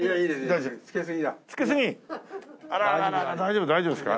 大丈夫大丈夫ですか？